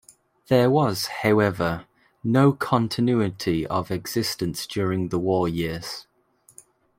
There was, however, no continuity of existence during the war years.